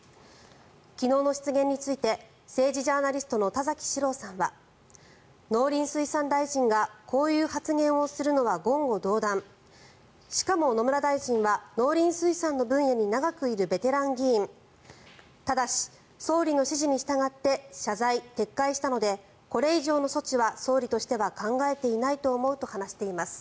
昨日の失言について政治ジャーナリストの田崎史郎さんは農林水産大臣がこういう発言をするのは言語道断しかも野村大臣は農林水産の分野に長くいるベテラン議員ただし、総理の指示に従って謝罪・撤回したのでこれ以上の措置は総理としては考えていないと思うと話しています。